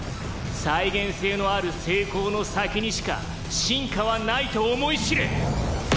再現性のある成功の先にしか進化はないと思い知れ！